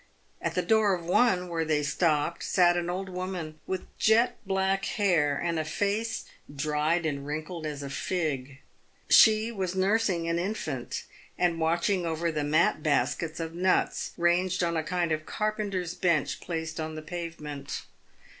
At the door of one where they stopped, sat an old woman with jet black hair, and a face dried and wrinkled as a fig. She was nursing an infant, and watching over the mat baskets of PAVED WITH GOLD. 237 nuts ranged on a kind of carpenter's bench placed on the pavement.